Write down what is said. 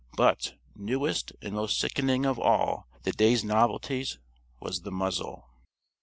But, newest and most sickening of all the day's novelties was the muzzle.